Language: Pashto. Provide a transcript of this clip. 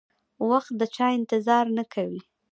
وخت د چا انتظار نه کوي.